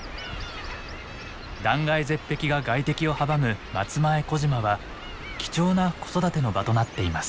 断崖絶壁が外敵を阻む松前小島は貴重な子育ての場となっています。